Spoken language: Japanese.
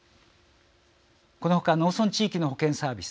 この他、農村地域の保健サービス